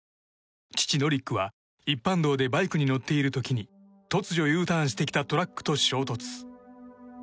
父ノリックは、一般道でバイクに乗っている時に突如Ｕターンしてきたトラックと衝突。